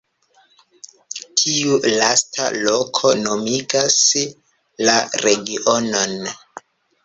Tiu lasta loko nomigas la regionon.